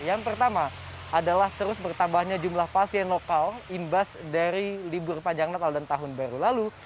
yang pertama adalah terus bertambahnya jumlah pasien lokal imbas dari libur panjang natal dan tahun baru lalu